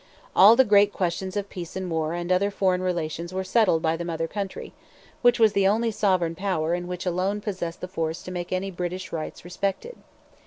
All the great questions of peace and war and other foreign relations were settled by the mother country, which was the only sovereign power and which alone possessed the force to make any British rights respected.